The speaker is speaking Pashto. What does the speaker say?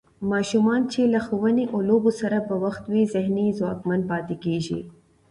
ماشومان چې له ښوونې او لوبو سره بوخت وي، ذهني ځواکمن پاتې کېږي.